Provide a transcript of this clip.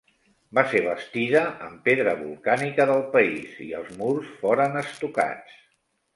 Va ser bastida amb pedra volcànica del país i els murs foren estucats.